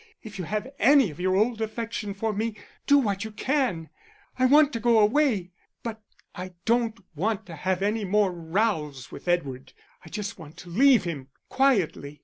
If you have any of your old affection for me, do what you can. I want to go away; but I don't want to have any more rows with Edward; I just want to leave him quietly.